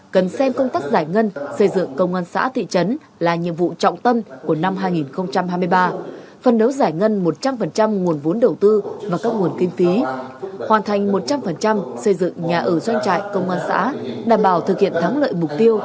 cần xem công tác giải ngân xây dựng công an xã thị trấn là nhiệm vụ trọng tâm của năm hai nghìn hai mươi ba phân đấu giải ngân một trăm linh nguồn vốn đầu tư và các nguồn kinh phí hoàn thành một trăm linh xây dựng nhà ở doanh trại công an xã đảm bảo thực hiện thắng lợi mục tiêu